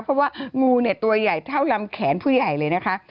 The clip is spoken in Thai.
เพราะว่างูเนี่ยตัวใหญ่เท่าลำแขนผู้ใหญ่เลยนะคะ